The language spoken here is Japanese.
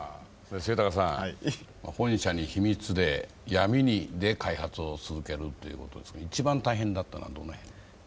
末高さん本社に秘密で闇で開発を続けるということですが一番大変だったのはどの辺？